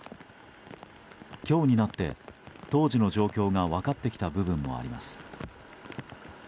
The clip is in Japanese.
今日になって当時の状況が分かってきた部分もあります。